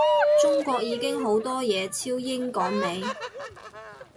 中國已經好多嘢超英趕美